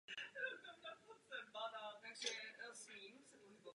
Byl nadaný tenorista a vystudoval Hochschule für Musik Karlsruhe.